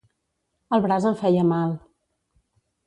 El braç em feia mal